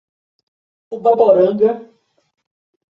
Ubaporanga